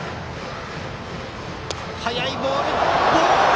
速いボール、ボール！